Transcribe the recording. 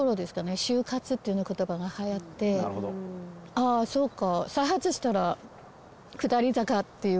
「あぁそうか」。